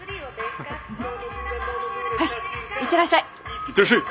はい行ってらっしゃい。